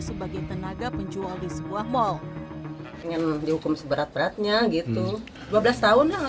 sebagai tenaga penjual di sebuah mal pengen dihukum seberat beratnya gitu dua belas tahun